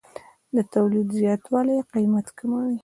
د تولید زیاتوالی قیمت کموي.